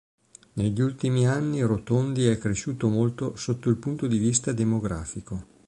Negli ultimi anni Rotondi è cresciuto molto sotto il punto di vista demografico.